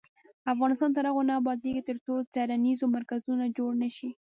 افغانستان تر هغو نه ابادیږي، ترڅو څیړنیز مرکزونه جوړ نشي.